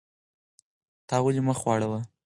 تا ولې مخ واړاوه؟